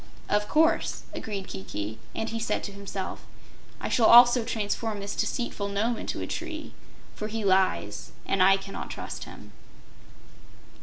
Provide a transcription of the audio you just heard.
"Of course," agreed Kiki, and he said to himself: "I shall also transform this deceitful Nome into a tree, for he lies and I cannot trust him."